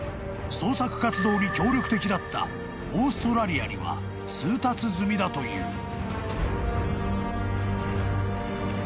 ［捜索活動に協力的だったオーストラリアには通達済みだという］